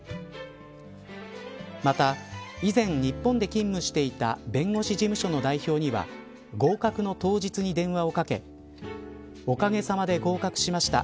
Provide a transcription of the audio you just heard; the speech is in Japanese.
また以前、日本で勤務していた弁護士事務所の代表には合格の当日に電話をかけおかげさまで合格しました。